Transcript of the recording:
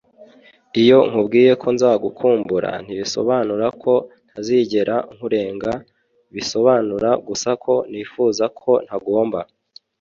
iyo nkubwiye ko nzagukumbura, ntibisobanura ko ntazigera nkurenga bisobanura gusa ko nifuza ko ntagomba